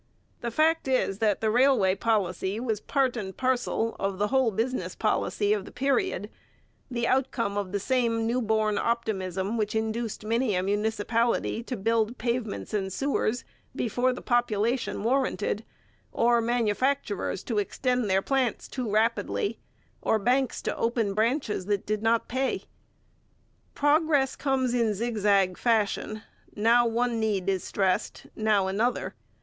The fact is that the railway policy was part and parcel of the whole business policy of the period, the outcome of the same new born optimism which induced many a municipality to build pavements and sewers before the population warranted, or manufacturers to extend their plants too rapidly, or banks to open branches that did not pay. Progress comes in zigzag fashion; now one need is stressed, now another.